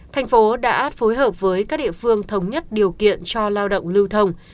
thành phố đã phối hợp với các địa phương thống nhất điều kiện cho lao động lưu thông